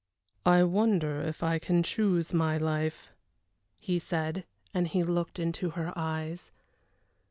"I wonder if I can choose my life," he said, and he looked into her eyes.